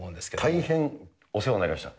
大変お世話になりました。